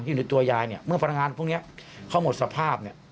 ที่อยู่ในตัวยายเมื่อพลังงานพวกนี้เขาหมดสภาพ